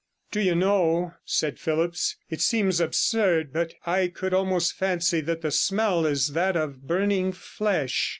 'Do you know,' said Phillipps, 'it seems absurd, but I could almost fancy that the smell is that of burning flesh.'